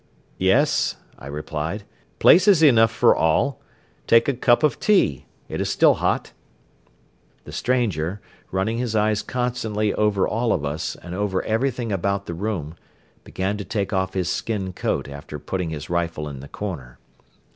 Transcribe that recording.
"Yes," I replied, "places enough for all. Take a cup of tea. It is still hot." The stranger, running his eyes constantly over all of us and over everything about the room, began to take off his skin coat after putting his rifle in the corner.